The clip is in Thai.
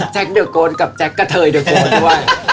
แจ็คเดอร์โกรดกับแจ็คกระเทยเดอร์โกรดด้วย